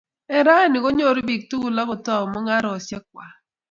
Eng orani, konyuru biik tukuk akotou mungareshiek kwai